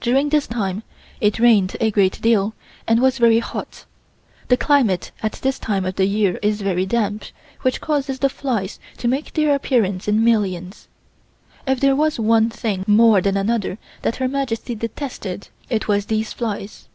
During this time it rained a great deal and was very hot. The climate at this time of the year is very damp, which causes the flies to make their appearance in millions. If there was one thing more than another that Her Majesty detested it was these flies.